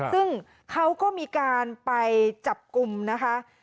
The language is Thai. ซึ่งเขาก็มีการไปจับกลุ่มนะคะ